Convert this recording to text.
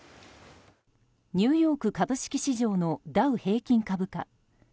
ニューヨーク株式市場のダウ平均株価。